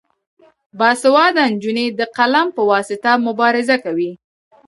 باسواده نجونې د قلم په واسطه مبارزه کوي.